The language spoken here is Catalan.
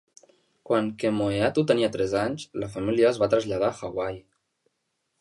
Quan Kemoeatu tenia tres anys, la família es va traslladar a Hawaii.